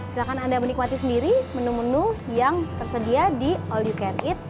silahkan anda menikmati sendiri menu menu yang tersedia di all you can eat